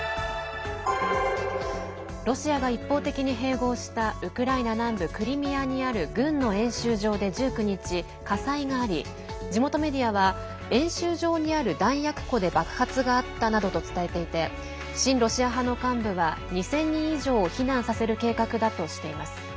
ロシアが一方的に併合したウクライナ南部クリミアにある軍の演習場で１９日、火災があり地元メディアは演習場にある弾薬庫で爆発があったなどと伝えていて親ロシア派の幹部は２０００人以上を避難させる計画だとしています。